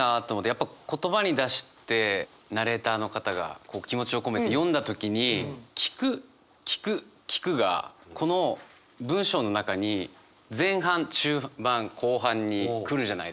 やっぱ言葉に出してナレーターの方が気持ちを込めて読んだ時に「聞く聞く聞く」がこの文章の中に前半中盤後半に来るじゃないですか。